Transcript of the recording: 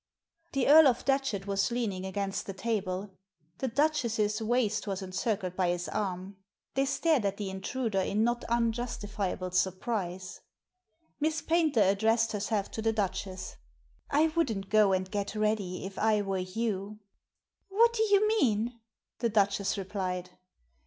The Earl of Datchet was leaning against the table. Digitized by VjOOQIC THE DUKE 319 The Duchess's waist was encircled by his arm. They stared at the intruder in not unjustifiable surprise. Miss Paynter addressed herself to the Duchess. " I wouldn't go and get ready if I were you." "What do you mean?" the Duchess replied.